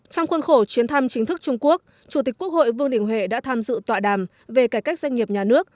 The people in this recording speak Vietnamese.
trong khuôn khổ chuyến thăm chính thức trung quốc chủ tịch quốc hội vương đình huệ đã tham dự tọa đàm về cải cách doanh nghiệp nhà nước